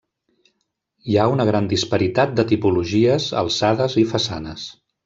Hi ha una gran disparitat de tipologies, alçades i façanes.